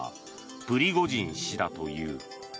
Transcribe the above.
プリゴジン氏だという。